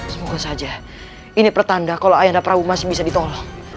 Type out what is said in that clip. semoga saja ini pertanda kalau ayanda prabu masih bisa ditolong